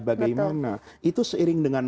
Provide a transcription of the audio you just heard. bagaimana itu seiring dengan